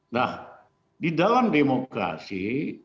nah di dalam demokrasi